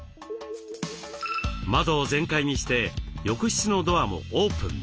窓を全開にして浴室のドアもオープン。